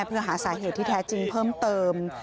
เพื่อหาสาเหตุที่แท้จริงเพิ่มเติม